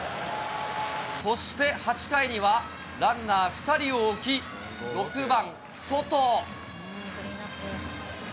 そして８回には、ランナー２人を置き、６番ソト。